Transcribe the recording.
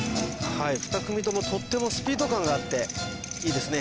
２組ともとってもスピード感があっていいですね